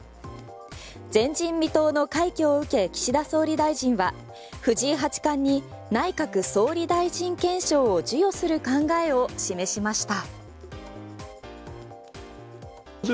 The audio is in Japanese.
前人未到の快挙を受け岸田総理大臣は藤井八冠に内閣総理大臣顕彰を授与する考えを示しました。